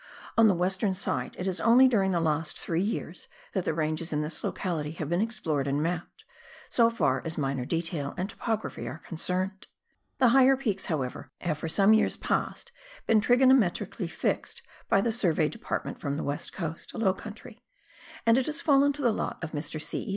On the western side it is only during the last three years that the ranges in this locality have been explored and mapped, so far as minor detail and topography are concerned. The higher peaks, however, have for some years past been trigonometrically fixed by the Survey Department from the West Coast low country, and it has fallen to the lot of Mr. C. E.